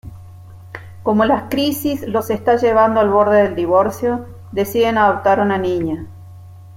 Como la crisis los está llevando al borde del divorcio, deciden adoptar una niña.